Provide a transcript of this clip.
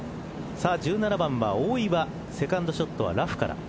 １７番は大岩セカンドショットはラフから。